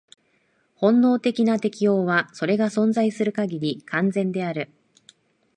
本能的な適応は、それが存在する限り、完全である。